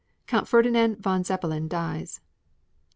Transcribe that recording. Count Ferdinand von Zeppelin dies.